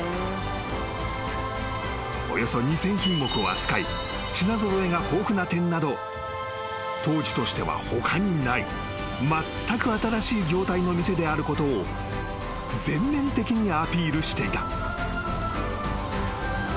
［およそ２，０００品目を扱い品揃えが豊富な点など当時としては他にないまったく新しい業態の店であることを全面的にアピールしていた］